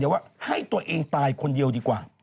คิดอย่างเดียวว่าให้ตัวเองตายคนเดียวดีกว่า